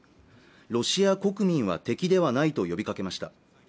ロシア国民は敵ではないと呼びかけました